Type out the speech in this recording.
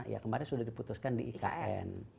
ya kemarin sudah diputuskan di ikn